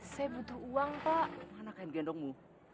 saya butuh uang pak anaknya gendongmu